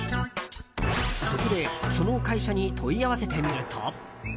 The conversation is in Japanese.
そこで、その会社に問い合わせてみると。